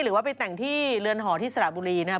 หรือว่าไปแต่งที่เรือนหอที่สระบุรีนะครับ